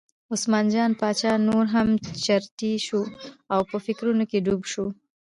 عثمان جان باچا نور هم چرتي شو او په فکرونو کې ډوب شو.